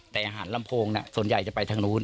แต่อาหารลำโพงส่วนใหญ่จะไปทางนู้น